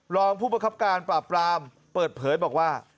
รองผู้ประคับการปราบปรามเปิดเผยบอกว่า